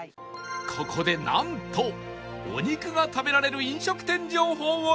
ここでなんとお肉が食べられる飲食店情報をゲット！